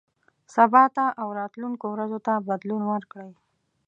سبا ته او راتلونکو ورځو ته بدلون ورکړئ.